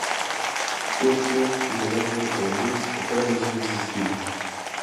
Gulfstream International Airlines opera a los siguientes destinos.